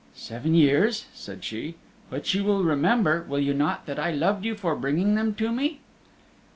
"Seven years," said she, "but you will remember will you not that I loved you for bringing them to me?"